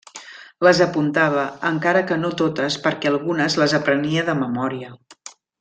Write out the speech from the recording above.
Les apuntava, encara que no totes perquè algunes les aprenia de memòria.